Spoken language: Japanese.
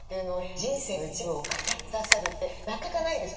人生の一部を語って下さるってなかなかないです。